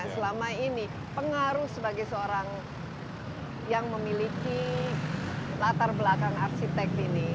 selama ini pengaruh sebagai seorang yang memiliki latar belakang arsitek ini